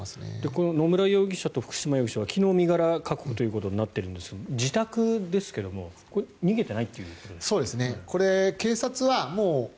この野村容疑者と福島容疑者は昨日、身柄確保ということになっているんですが自宅ですが逃げていないということですか？